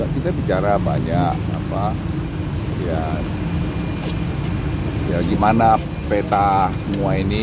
kita bicara banyak apa ya gimana peta semua ini